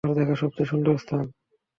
আমার দেখা সবচেয়ে সুন্দর স্থান।